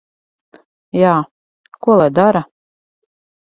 Jā. Ko lai dara?